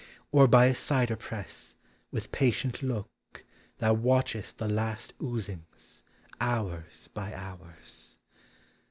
Or by a cider press, with patient look, Thou watchest the. last oozings, hours by hours.